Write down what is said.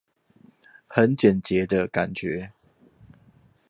很簡潔的感覺